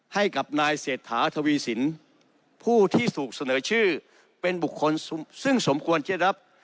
ให้กับนายเศรษฐาทวีสินผู้ที่ถูกเสนอชื่อเป็นบุคคลซึ่งสมควรจะได้รับ